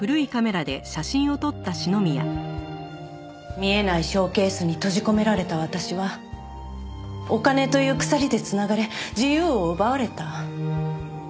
見えないショーケースに閉じ込められた私はお金という鎖で繋がれ自由を奪われた。